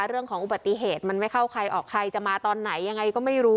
เรื่องของอุบัติเหตุมันไม่เข้าใครออกใครจะมาตอนไหนยังไงก็ไม่รู้